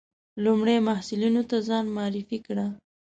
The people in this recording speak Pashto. لومړي محصلینو ته ځان معرفي کړ.